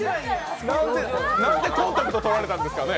なんでコンタクト取られたんですかね？